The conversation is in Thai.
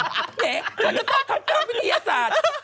เฮ่ยฉันก็ต้องทำการวิทยาศาสตร์